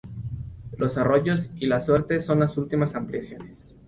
Los Arroyos y Las Suertes, son las últimas ampliaciones.